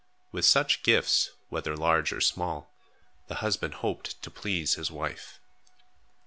With such gifts, whether large or small, the husband hoped to please his wife.